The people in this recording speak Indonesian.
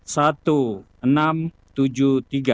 satu enam tujuh tiga